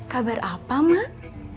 kabar apa mak